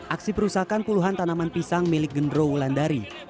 aksi perusakan puluhan tanaman pisang milik gendro wulandari